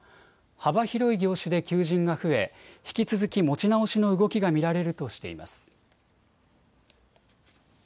幅広い業種で求人が増え引き続き持ち直しの動きが見られるとしています。